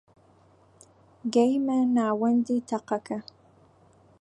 گەیمە ناوەندی تەقەکە